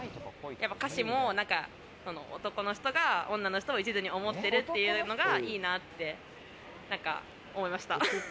歌詞も何か、男の人が女の人を一途に想ってるっていうのが、いいなって思いました。